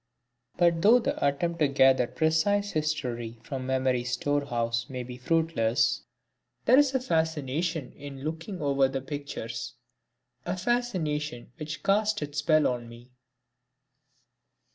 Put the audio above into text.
But though the attempt to gather precise history from memory's storehouse may be fruitless, there is a fascination in looking over the pictures, a fascination which cast its spell on me.